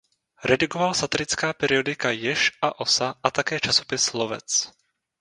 Redigoval satirická periodika "Jež" a "Osa" a také časopis "Lovec".